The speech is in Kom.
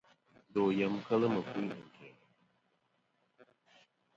Ndo yem kel mɨkuyn ɨ̀nkæ̀.